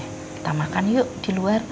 kita makan yuk di luar